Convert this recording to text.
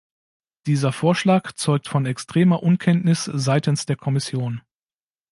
Dieser Vorschlag zeugt von extremer Unkenntnis seitens der Kommission.